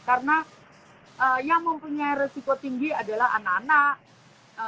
karena yang mempunyai resiko tinggi adalah anak anak